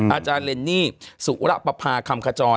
อาจารย์เรนนี่เสราะปราพาคำคจร